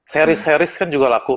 seris seris kan juga laku